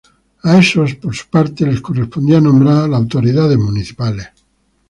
A esos, por su parte, les correspondía nombrar a las autoridades municipales.